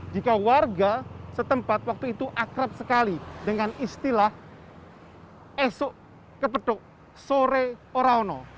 jika warga setempat waktu itu akrab sekali dengan istilah esok kepedok sore oraono